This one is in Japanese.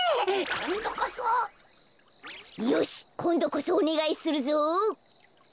こんどこそおねがいするぞ。